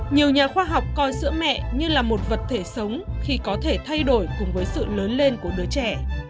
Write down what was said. nhiều nhà khoa học coi sữa mẹ như là một vật thể sống khi có thể thay đổi cùng với sự lớn lên của đứa trẻ